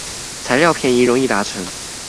材料便宜容易達成